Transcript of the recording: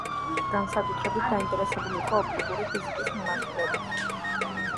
განსაკუთრებით დაინტერესებული იყო ოპტიკური ფიზიკის მიმართულებით.